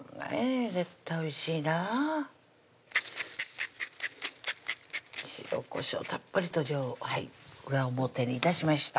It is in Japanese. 絶対おいしいな塩・こしょうたっぷりと裏表に致しました